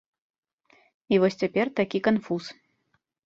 І вось цяпер такі канфуз.